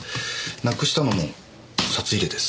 なくしたのも札入れです。